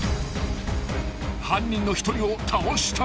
［犯人の一人を倒した］